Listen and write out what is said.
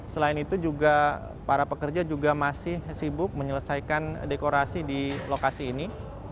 selain itu juga para pekerja juga masih sibuk menyelesaikan dekorasi di lokasi ini